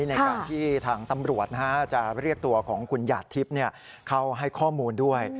ในการที่ทางตำรวจจะเรียกตัวของคุณหยาดทิพย์เข้าให้ข้อมูลด้วย